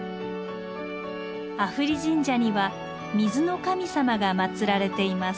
阿夫利神社には水の神様が祀られています。